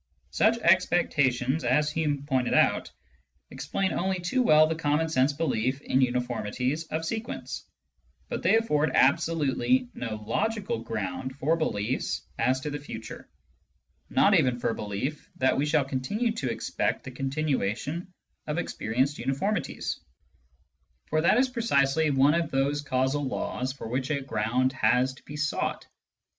Such expectations, as Hume pointed out, explain only too well the common sense belief in uniformities of sequence, but they afFord ab solutely no logical ground for beliefs as to the future, not even for the belief that we shall continue to expect the continuation of experienced uniformities, for that is precisely one of those causal laws for which a ground has to be sought.